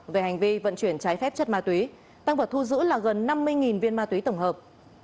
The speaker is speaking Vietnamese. về hành vi vận chuyển trái phép chất ma túy tăng vật thu giữ là gần năm mươi viên ma túy tổng hợp